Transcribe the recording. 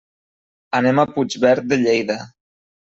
Anem a Puigverd de Lleida.